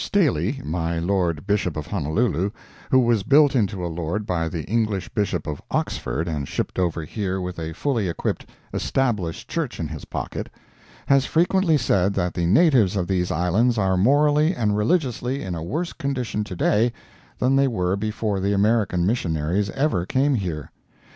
Staley, my Lord Bishop of Honolulu—who was built into a Lord by the English Bishop of Oxford and shipped over here with a fully equipped "Established Church" in his pocket—has frequently said that the natives of these islands are morally and religiously in a worse condition to day than they were before the American missionaries ever came here.